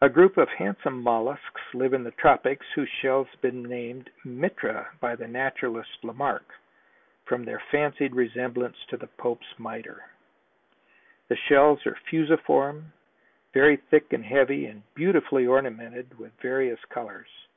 A group of handsome mollusks live in the tropics whose shells have been named Mitra by the naturalist Lamarck from their fancied resemblance to the Pope's miter. The shells are fusiform, very thick and heavy and beautifully ornamented with various colors.